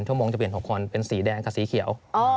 โมงจะเปลี่ยน๖คนเป็นสีแดงกับสีเขียว